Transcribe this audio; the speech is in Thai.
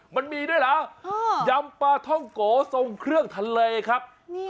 มันมีด้วยหรอยำปลาเทาโกะธรรมดาส่งเครื่องทะเลครับ